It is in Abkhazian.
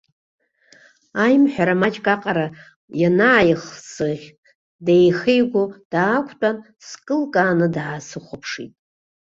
Аимҳәара маҷк аҟара ианааихсыӷь, деихеигәо даақәтәан, скылкааны даасыхәаԥшит.